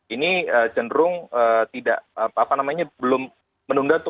ini cenderung tidak apa namanya belum menunda